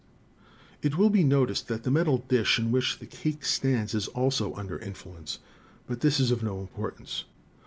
It will be noticed that the metal dish in which the cake stands is also under influence ; but this is of no importance.